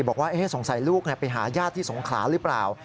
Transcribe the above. บอกว่าสงสัยลูกไปหาญาติที่สงขลาหรือเปล่า